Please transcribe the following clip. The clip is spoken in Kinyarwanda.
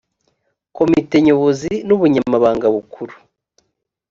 komite nyobozi n ubunyamabanga bukuru